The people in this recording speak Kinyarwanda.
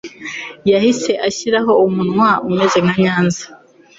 yahise anashyiraho umurwa umeze nka Nyanza,